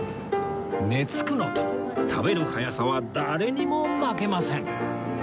寝付くのと食べる速さは誰にも負けません